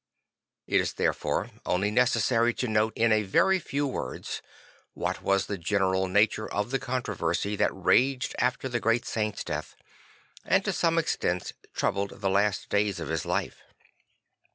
It is therefore only necessary to note in a very few words what was the general nature of the controversy that raged after the great saint's death, and to some extent troubled the last days of his life.